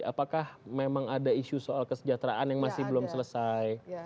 apakah memang ada isu soal kesejahteraan yang masih belum selesai